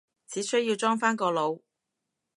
只需要裝返個腦？